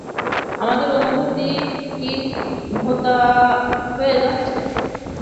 আমাদের অনুভূতি কি ভোঁতা হয়ে যাচ্ছে?